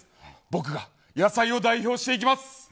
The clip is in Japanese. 僕が野菜を代表して行きます！